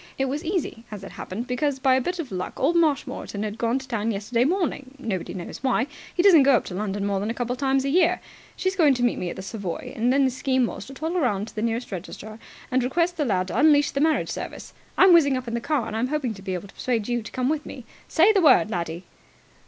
It was easy, as it happened, because by a bit of luck old Marshmoreton had gone to town yesterday morning nobody knows why: he doesn't go up to London more than a couple of times a year. She's going to meet me at the Savoy, and then the scheme was to toddle round to the nearest registrar and request the lad to unleash the marriage service. I'm whizzing up in the car, and I'm hoping to be able to persuade you to come with me. Say the word, laddie!"